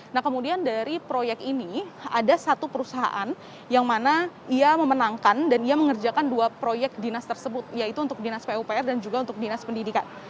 nah kemudian dari proyek ini ada satu perusahaan yang mana ia memenangkan dan ia mengerjakan dua proyek dinas tersebut yaitu untuk dinas pupr dan juga untuk dinas pendidikan